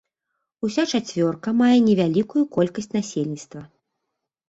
Уся чацвёрка мае невялікую колькасць насельніцтва.